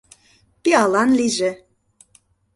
Пиалан лийже!